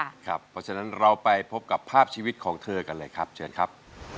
เพราะฉะนั้นเราไปพบกับภาพชีวิตของเธอกันเลยครับเชิญครับ